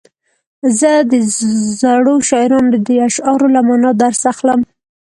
زه د زړو شاعرانو د اشعارو له معنا درس اخلم.